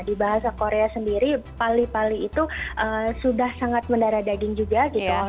di bahasa korea sendiri pali pali itu sudah sangat mendara daging juga gitu